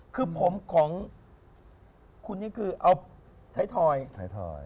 คือผมของคุณนี่คือเอาไทยทอยไทยทอย